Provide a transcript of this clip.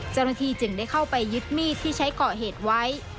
จริงจึงได้เข้าไปยึดมีดที่ใช้ก่อเหตุไว้